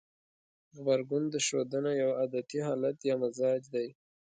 غبرګون ښودنه يو عادتي حالت يا مزاج دی.